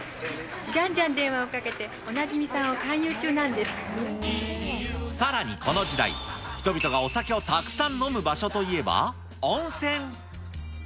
じゃんじゃん電話をかけて、さらにこの時代、人々がお酒をたくさん飲む場所といえば温泉。